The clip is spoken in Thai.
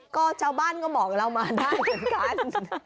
ก็ชาวบ้านก็บอกเรามาได้เหมือนกัน